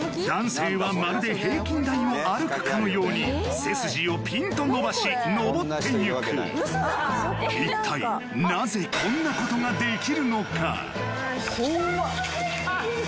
男性はまるで平均台を歩くかのように背筋をピンと伸ばしのぼっていく一体なぜこんなことができるのか！？